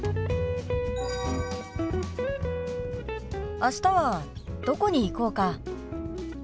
あしたはどこに行こうか？